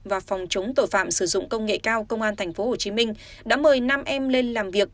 và phòng chống tội phạm sử dụng công nghệ cao công an tp hcm đã mời năm em lên làm việc